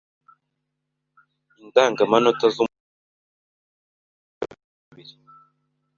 Indangamanota z’Umuco w’u Burunndi mutwe wa kabiri